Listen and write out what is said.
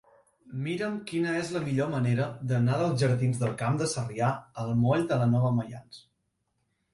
Mira'm quina és la millor manera d'anar dels jardins del Camp de Sarrià al moll de la Nova Maians.